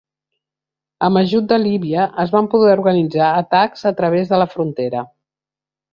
Amb ajut de Líbia es van poder organitzar atacs a través de la frontera.